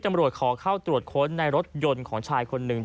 ตำรวจขอเข้าตรวจค้นในรถยนต์ของชายคนหนึ่ง